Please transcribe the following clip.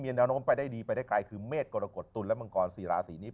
มียันตรงไปได้ดีไปได้กลายเมฆกรกฏตุลละมังกรสิราศีนี้